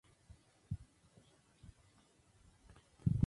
Allí conoció a Joseph Roswell Hawley, con quien entabló una larga amistad.